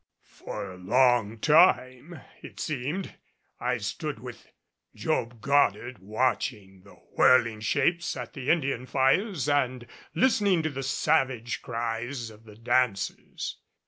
For a long time, it seemed, I stood with Job Goddard watching the whirling shapes at the Indian fires and listening to the savage cries of the dancers.